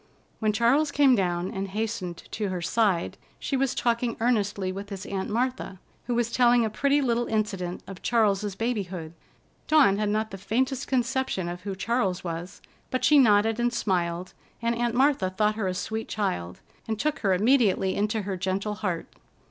When Charles came down and hastened to her side, she was talking earnestly with his Aunt Martha, who was telling a pretty little incident of Charles's babyhood. Dawn had not the faintest conception of who Charles was, but she nodded and smiled, and Aunt Martha thought her a sweet child, and took her immediately into her gentle heart.